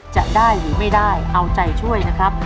จะได้หรือไม่ได้เอาใจช่วยนะครับ